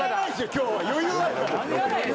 今日は余裕あるから。